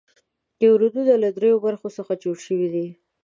نیورونونه له دریو برخو څخه جوړ شوي دي.